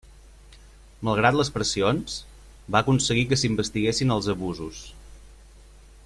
Malgrat les pressions, va aconseguir que s'investiguessin els abusos.